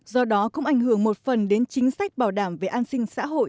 do đó cũng ảnh hưởng một phần đến chính sách bảo đảm về an sinh xã hội